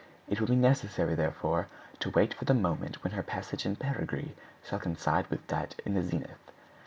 It will be necessary, therefore, to wait for the moment when her passage in perigee shall coincide with that in the zenith.